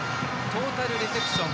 トータルリセプション。